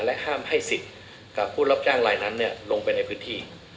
และห้ามให้ศิษย์กับผู้รับจ้างลายนั้นลงไปในพืชที่